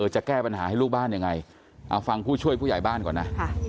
จะแก้ปัญหาให้ลูกบ้านยังไงเอาฟังผู้ช่วยผู้ใหญ่บ้านก่อนนะ